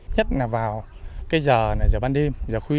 nhất là vào giờ ban đêm